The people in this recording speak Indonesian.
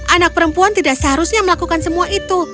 anak perempuan tidak seharusnya melakukan semua itu